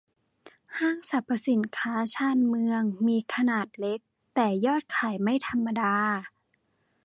ห้างสรรพสินค้าชานเมือง มีขนาดเล็ก แต่ยอดขายไม่ธรรมดา